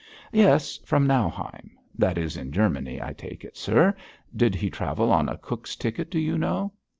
'Yes, from Nauheim.' 'That is in Germany, I take it, sir. Did he travel on a Cook's ticket, do you know?'